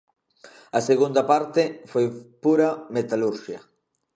A segunda parte foi pura metalurxia.